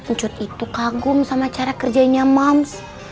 njut itu kagum sama cara kerjanya mams